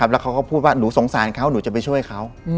แล้วเขาก็พูดว่าหนูสงสารเขาหนูจะไปช่วยเขา